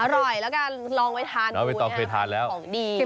อร่อยแล้วกันลองไว้ทานกูนะของดี